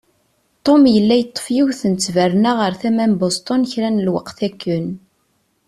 Tom yella yeṭṭef yiwet n ttberna ɣer tama n Bosten kra n lweqt akken.